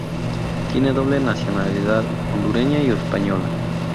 Tiene doble nacionalidad hondureña y española.